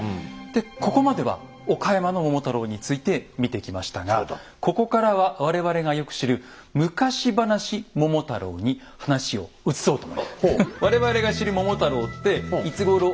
でここまでは岡山の「桃太郎」について見てきましたがここからはわれわれがよく知る昔話「桃太郎」に話を移そうと。